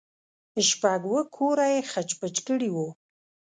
شپږ اوه کوره يې خچ پچ کړي وو.